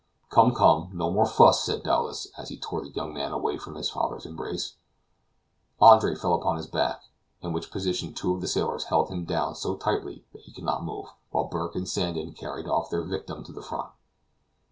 "Come, come, no more fuss," said Dowlas, as he tore the young man away from his father's embrace. Andre fell upon his back, in which position two of the sailors held him down so tightly that he could not move, while Burke and Sandon carried off their victim to the front.